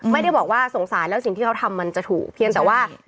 ไม่ได้บอกว่าสงสารแล้วสิ่งที่เขาทำมันจะถูกเพียงแต่ว่า